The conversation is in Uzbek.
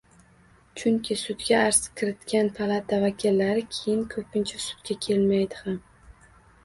Chunki sudga arz kiritgan palata vakillari keyin ko‘pincha sudga kelmaydi ham.